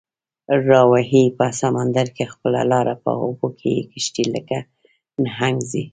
راوهي په سمندر کې خپله لاره، په اوبو کې یې کشتۍ لکه نهنګ ځي